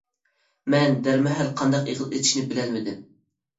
مەن دەرمەھەل قانداق ئېغىز ئېچىشنى بىلەلمىدىم.